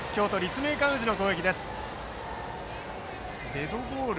デッドボール。